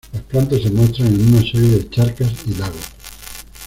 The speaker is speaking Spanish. Las plantas se muestran en una serie de charcas y lagos.